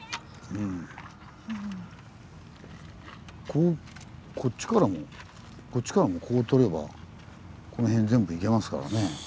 こうこっちからもこっちからもここ通ればこの辺全部行けますからね。